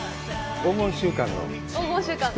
黄金週間。